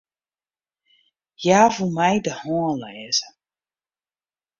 Hja woe my de hân lêze.